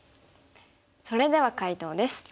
それでは解答です。